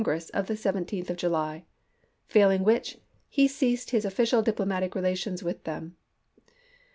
gress of the 17th of July ; failing which, he ceased his ofi&cial diplomatic relations with them.